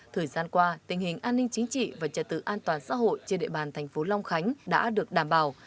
thời gian qua tình hình an ninh chính trị và trật tự an toàn xã hội trên địa bàn thành phố long khánh đã được đảm bảo